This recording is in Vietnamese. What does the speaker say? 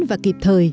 và kịp thời